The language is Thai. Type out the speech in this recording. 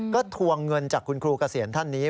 ก็ทวงเงินจากคุณครูเกษียณท่านนี้